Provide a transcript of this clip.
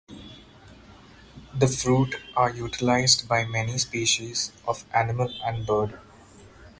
The fruit are utilized by many species of animal and bird.